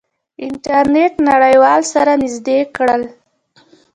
انټرنیټ نړیوال سره نزدې کړل.